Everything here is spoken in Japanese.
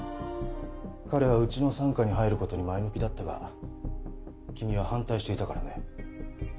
彼はうちの傘下に入る事に前向きだったが君は反対していたからね。